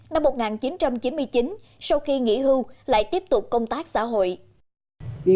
năm một nghìn chín trăm chín mươi chín sau khi nghỉ hưu lại tiếp tục công tác xã hội